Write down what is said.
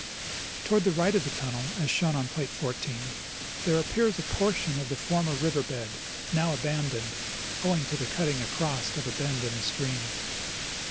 Toward the right of the tunnel, as shown on plate 14, there appears a portion of the former river bed, now abandoned, owing to the cutting across of a bend in the stream.